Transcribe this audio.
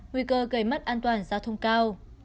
nguy cơ gây mất an toàn giao thông cao